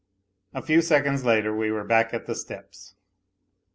A few seconds later we were back at the steps.